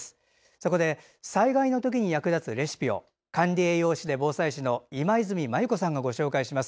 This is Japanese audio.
そこで災害の時に役立つレシピを管理栄養士で防災士の今泉マユ子さんがご紹介します。